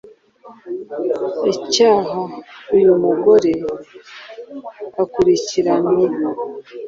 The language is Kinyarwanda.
icyaha uyu mugore akurikiranyweho